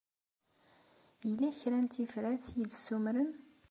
Yella kra n tifrat ay d-ssumren?